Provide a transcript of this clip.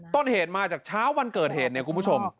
ต้นเหตุมาจากเช้าวันเกิดเหตุเนี่ยคุณผู้ชม